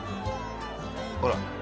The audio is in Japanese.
ほら。